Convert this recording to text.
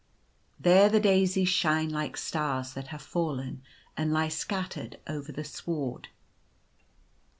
There the daisies shine like stars that have fallen, and lie scattered over the sward.